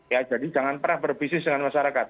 ya jadi jangan pernah berbisnis dengan masyarakat